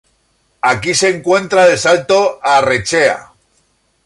Aquí se encuentra el Salto Arrechea.